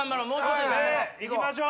いきましょう！